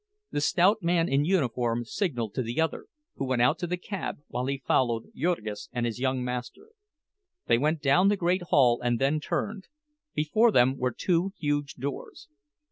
The stout man in uniform signaled to the other, who went out to the cab, while he followed Jurgis and his young master. They went down the great hall, and then turned. Before them were two huge doors.